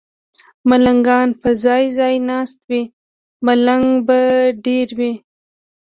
ملنګان به ځای، ځای ناست وي، بنګ به ډېر وي